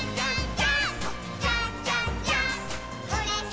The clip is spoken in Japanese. ジャンプ！！